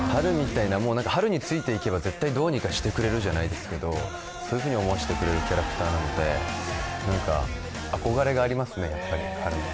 ハルについて行けば絶対どうにかしてくれるじゃないですけど、そういうふうに思わせてくれるキャラクターなので、憧れがありますね、ハルは。